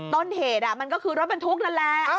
ต้นเหตุมันก็คือรถบรรทุกนั่นแหละ